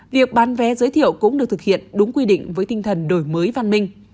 việc bán vé giới thiệu cũng được thực hiện đúng quy định với tinh thần đổi mới văn minh